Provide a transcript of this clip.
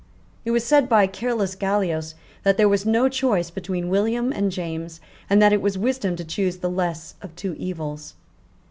It was said by careless Gallios, that there was no choice but between William and James, and that it was wisdom to choose the less of two evils.